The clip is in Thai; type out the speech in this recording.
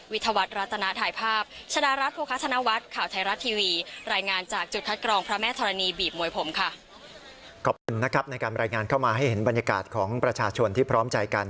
ขอบคุณนะครับในการรายงานเข้ามาให้เห็นบรรยากาศของประชาชนที่พร้อมใจกัน